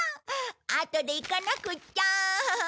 あとで行かなくっちゃ。